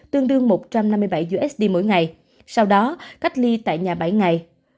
tương đương một trăm năm mươi bảy usd mỗi ngày sau đó cách ly tại nhà bảy ngày